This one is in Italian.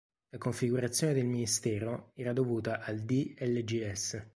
La configurazione del Ministero era dovuta al D. Lgs.